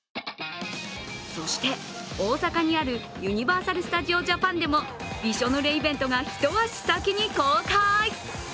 そして大阪にあるユニバーサルスタジオ・ジャパンでもびしょぬれイベントが一足先に公開。